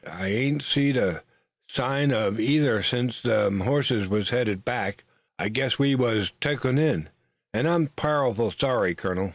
I ain't seed a sign uv either sence them hosses wuz headed back. I guess we wuz took in, an' I'm pow'ful sorry, colonel."